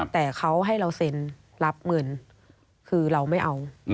แต่เขาให้เราเซ็นรับเงินคือเราไม่เอา